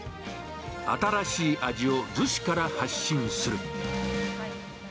新しい味を逗子から発信する。